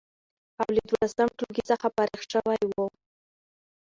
او له دولسم ټولګي څخه فارغ شوی و،